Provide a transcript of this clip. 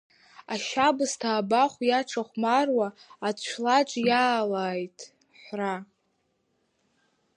Ашьабысҭа абахә иаҿахәмар, Ацәлааҿ иаалааит ҳәра.